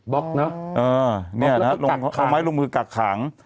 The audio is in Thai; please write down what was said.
บ๊อกเนอะ